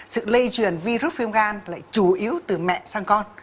sự lây chuyển virus phim gan lại chủ yếu từ mẹ sang con